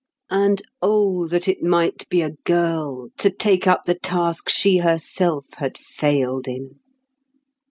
And oh, that it might be a girl, to take up the task she herself had failed in!